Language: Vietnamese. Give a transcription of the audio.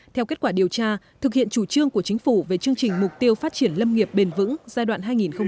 theo kết quả điều tra thực hiện chủ trương của chính phủ về chương trình mục tiêu phát triển lâm nghiệp bền vững giai đoạn hai nghìn một mươi sáu hai nghìn hai mươi